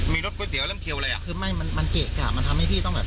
มีรสก๋วยเตี๋เริ่มเคียวเลยอ่ะคือไม่มันมันเกะกะมันทำให้พี่ต้องแบบ